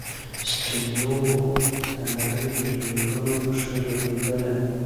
سټیو و د نړۍ په لیګونو کښي لوبېدلی.